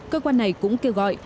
cơ quan này cũng kêu gọi